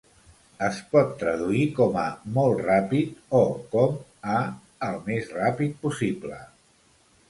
Es pot traduir com a 'molt ràpid' o com a 'el més ràpid possible'.